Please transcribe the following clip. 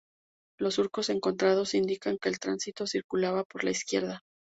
Los surcos encontrados indican que el tránsito circulaba por la izquierda.